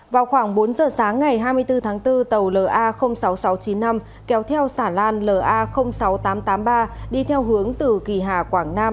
vào khoảng bốn giờ sáng ngày hai mươi bốn tháng bốn tàu la sáu nghìn sáu trăm chín mươi năm kéo theo sản lan la sáu nghìn tám trăm tám mươi ba đi theo hướng từ kỳ hà quảng nam